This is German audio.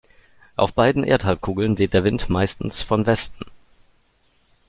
Auf beiden Erdhalbkugeln weht der Wind meistens von Westen.